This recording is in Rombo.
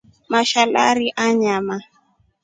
Mashalarii anyama.